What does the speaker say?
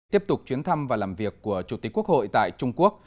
tiếp tục chuyến thăm và làm việc của chủ tịch quốc hội tại trung quốc